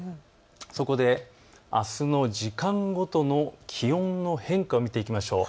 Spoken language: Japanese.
そこであすの時間ごとの気温の変化を見ていきましょう。